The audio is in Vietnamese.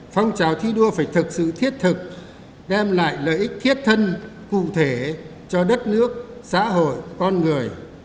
phong trào thi đua phải thực sự thiết thực đem lại lợi ích thiết thân cụ thể cho đất nước xã hội con người